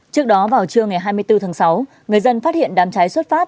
trước đó vào trưa ngày hai mươi bốn tháng sáu người dân phát hiện đám cháy xuất phát